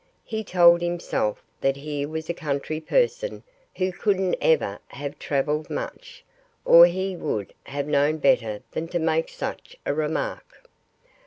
He told himself that here was a country person who couldn't ever have travelled much, or he would have known better than to make such a remark.